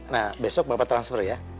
nah besok bapak transfer ya